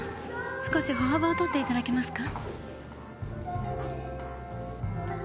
少し歩幅を取っていただけますか？